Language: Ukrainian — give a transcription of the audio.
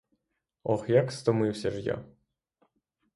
Ох, як стомився ж я!